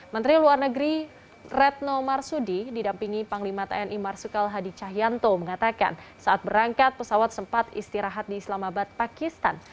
menteri luar negeri retno marsudi didampingi panglima tni marsikal hadi cahyanto mengatakan saat berangkat pesawat sempat istirahat di islamabad pakistan